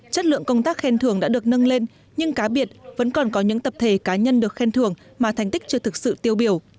chất lượng công tác khen thưởng đã được nâng lên nhưng cá biệt vẫn còn có những tập thể cá nhân được khen thưởng mà thành tích chưa thực sự tiêu biểu